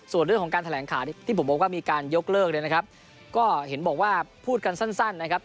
ส่วนเรื่องของการแถลงข่าวที่ผมบอกว่ามีการยกเลิกเนี่ยนะครับก็เห็นบอกว่าพูดกันสั้นนะครับ